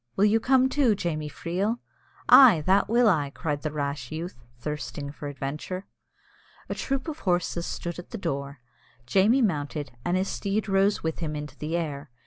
Will you come too, Jamie Freel?" "Ay, that will I!" cried the rash youth, thirsting for adventure. A troop of horses stood at the door. Jamie mounted, and his steed rose with him into the air.